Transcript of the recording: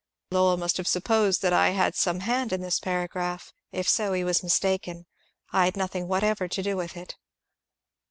Lowell may have supposed that I had some hand in this paragraph ; if so, he was mistaken. I had nothing whatever to do with it.